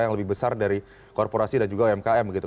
yang lebih besar dari korporasi dan juga umkm begitu